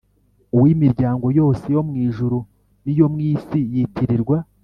Uw'imiryango yose yo mu ijuru n'iyo mu isi yitirirwa